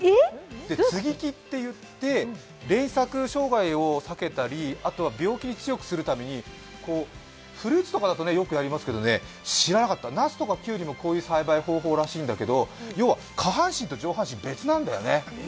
接ぎ木って言って、連作傷害を避けたり病気に強くするためにフルーツとかだとよくやるんですが知らなかった、なすとかきゅうりとかもこういう栽培方法なんだそうだけど下半身と上半身、別なんだよね。